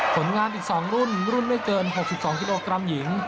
ผลงานอีก๒รุ่นรุ่นไม่เกิน๖๒กิโลกรัมหญิง